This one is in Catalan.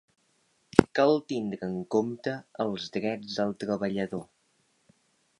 Cal tindre en compte els drets del treballador.